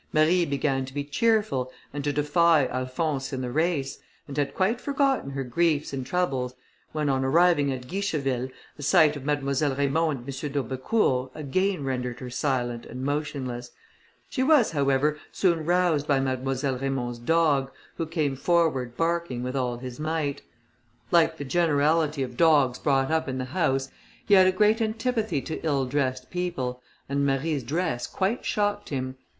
Marie began to be cheerful, and to defy Alphonse in the race, and had quite forgotten her griefs and troubles, when, on arriving at Guicheville, the sight of Mademoiselle Raymond and M. d'Aubecourt, again rendered her silent and motionless. She was, however, soon roused by Mademoiselle Raymond's dog, who came forward barking with all his might. Like the generality of dogs brought up in the house, he had a great antipathy to ill dressed people, and Marie's dress quite shocked him.